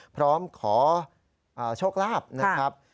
พร้อมขอโชคลาภนะครับ